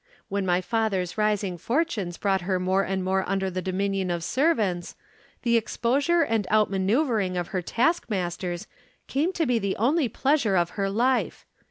When my father's rising fortunes brought her more and more under the dominion of servants, the exposure and out manoeuvring of her taskmasters came to be the only pleasure of her life.